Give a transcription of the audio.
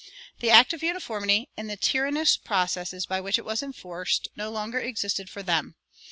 The Act of Uniformity and the tyrannous processes by which it was enforced no longer existed for them.